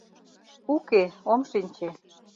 — Уке, ом шинче.